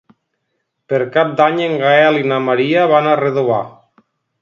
Per Cap d'Any en Gaël i na Maria van a Redovà.